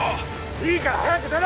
いいから早く出ろ！